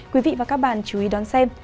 quý vị và các bạn chú ý đón xem